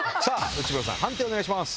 内村さん判定お願いします。